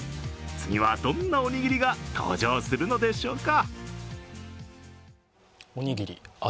次はどんなおにぎりが登場するのでしょうか。